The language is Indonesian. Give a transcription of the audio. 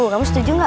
kamu setuju nggak